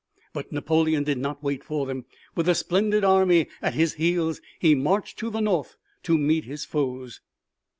But Napoleon did not wait for them. With a splendid army at his heels he marched to the north to meet his foes.